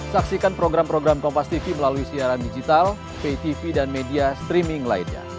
saksikan program program kompas tv melalui siaran digital pay tv dan media streaming lainnya